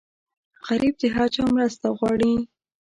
غریب د هر چا مرسته غواړي